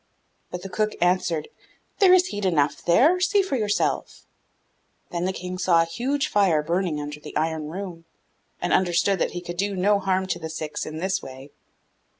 But the cook answered, 'There is heat enough there; see for yourself.' Then the King saw a huge fire burning under the iron room, and understood that he could do no harm to the Six in this way.